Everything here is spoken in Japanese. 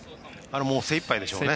精いっぱいでしょうね。